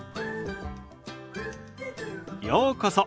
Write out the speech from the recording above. ようこそ。